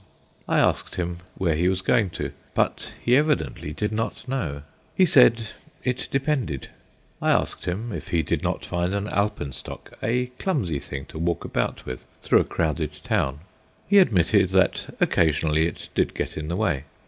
I asked him where he was going to, but he evidently did not know. He said it depended. I asked him if he did not find an alpenstock a clumsy thing to walk about with through a crowded town; he admitted that occasionally it did get in the way.